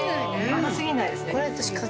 甘過ぎないですね。